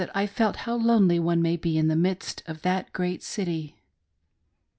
I felt how lonely one may be in the midst of that Great City.